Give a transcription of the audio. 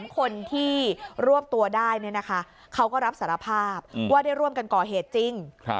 ๓คนที่รวบตัวได้เขาก็รับสารภาพว่าได้ร่วมกันก่อเหตุจริง